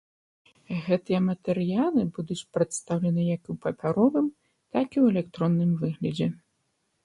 Гэтыя матэрыялы будуць прадстаўлены як у папяровым, так і ў электронным выглядзе.